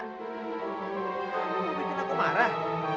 kamu bikin aku marah